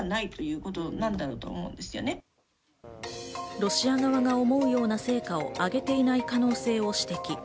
ロシア側が思うような成果をあげていない可能性を指摘。